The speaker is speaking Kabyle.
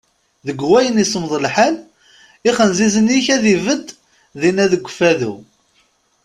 Deg wayen i semmeḍ lḥal, axenziz-ik ad ibedd dinna deg Ukfadu.